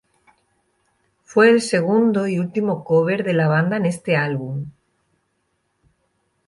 Fue el segundo y último cover de la banda en este álbum.